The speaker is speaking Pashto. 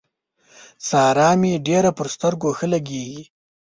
سارا مې ډېره پر سترګو ښه لګېږي.